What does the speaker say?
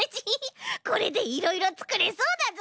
これでいろいろつくれそうだぞ！